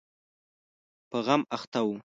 په غم اخته و.